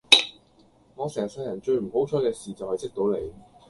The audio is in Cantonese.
我成世人最唔好彩既事就係識到你